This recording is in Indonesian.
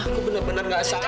aku benar benar tidak sanggup